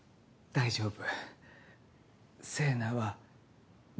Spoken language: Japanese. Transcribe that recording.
大丈夫。